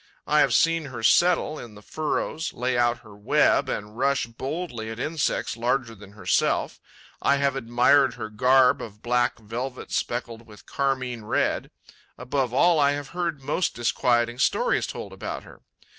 I have seen her settle in the furrows, lay out her web and rush boldly at insects larger than herself; I have admired her garb of black velvet speckled with carmine red; above all, I have heard most disquieting stories told about her.